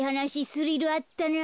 スリルあったな。